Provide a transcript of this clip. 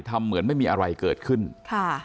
ทำเหมือนไม่มีอะไรเกิดขึ้นค่ะ